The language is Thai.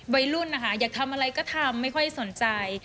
วัยรุ่นนะคะอยากทำอะไรก็ทำไม่ค่อยสนใจ